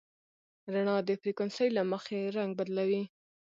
رڼا د فریکونسۍ له مخې رنګ بدلوي.